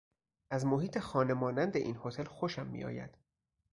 از محیط خانه مانند این هتل خوشم میآید.